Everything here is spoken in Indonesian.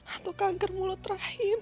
atau kanker mulut rahim